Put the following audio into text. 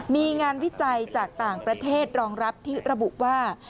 มีงานวิจัยจากต่างประเทศรองรับที่ระบุว่า